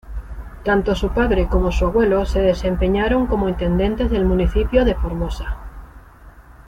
Tanto su padre como su abuelo se desempeñaron como intendentes del municipio de Formosa.